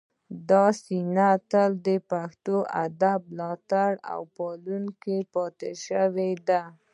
دا سیمه تل د پښتو ادب ملاتړې او پالونکې پاتې شوې ده